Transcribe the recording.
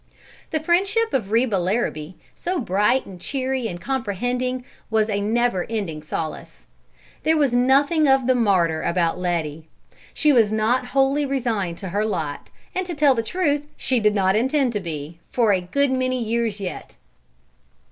The friendship of Reba Larrabee, so bright and cheery and comprehending, was a never ending solace. There was nothing of the martyr about Letty. She was not wholly resigned to her lot, and to tell the truth she did not intend to be, for a good many years yet.